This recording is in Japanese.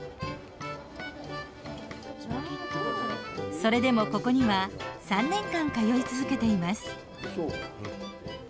それでもここには３年間通い続けています。